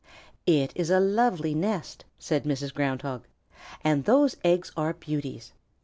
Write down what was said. "It is a lovely nest," said Mrs. Ground Hog, "and those eggs are beauties.